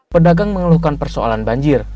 pedagang mengeluhkan persoalan banjir